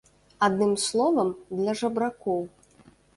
Адным словам, для жабракоў.